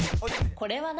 これは何？